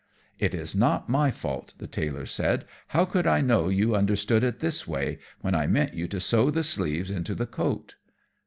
"It is not my fault," the Tailor said, "how could I know you understood it this way, when I meant you to sew the sleeves into the coat?"